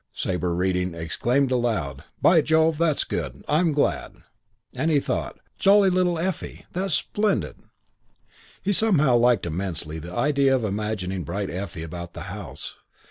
Sabre, reading, exclaimed aloud, "By Jove, that's good. I am glad." And he thought, "Jolly little Effie! That's splendid." He somehow liked immensely the idea of imagining Bright Effie about the house.